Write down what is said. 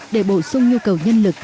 để bổ sung nhu cầu nhân lực